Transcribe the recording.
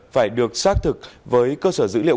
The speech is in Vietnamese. phải được xác thực với cơ sở dữ liệu